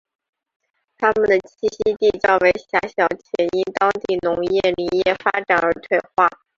它们的栖息地较为狭小且因当地农业林业发展而退化。